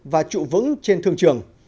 và trụ vững trên thương trường